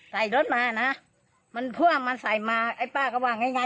ใส่รถมานะมันพ่วงมันใส่มาไอ้ป้าก็ว่าง่ายไง